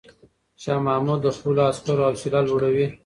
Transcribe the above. شاه محمود د خپلو عسکرو حوصله لوړوي.